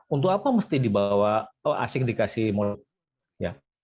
untuk apa mesti dibawa asing dikasih muatan